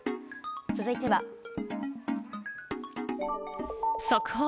続いては。速報！